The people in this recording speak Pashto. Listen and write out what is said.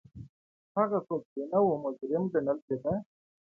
هغه څوک چې نه و مجرم ګڼل کېده.